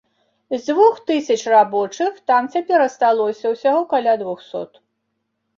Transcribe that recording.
З дзвюх тысяч рабочых там цяпер асталося ўсяго каля двухсот.